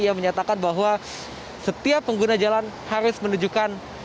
ia menyatakan bahwa setiap pengguna jalan harus menunjukkan